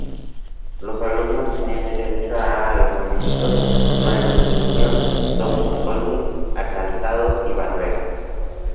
Los alumnos tenían derecho a alojamiento, manutención, dos uniformes, calzado y barbero.